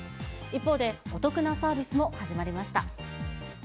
一方で、お得なサービスも始まりました。